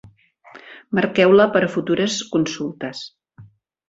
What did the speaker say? Marqueu-la per a futures consultes.